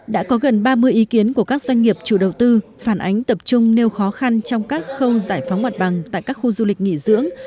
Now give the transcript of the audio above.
đã có gần ba mươi ý kiến của các doanh nghiệp chủ đầu tư phản ánh tập trung nêu khó khăn trong các khâu giải phóng mặt bằng tại các khu du lịch nghỉ dưỡng